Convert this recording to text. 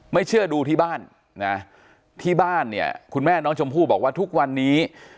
ไม่เชื่อดูที่บ้านนะที่บ้านเนี่ยคุณแม่น้องชมพู่บอกว่าทุกวันนี้